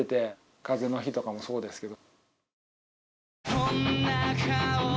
「風の日」とかもそうですけど。